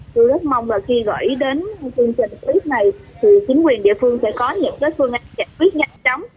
tôi rất mong là khi gửi đến chương trình clip này thì chính quyền địa phương sẽ có những phương án giải quyết nhanh chóng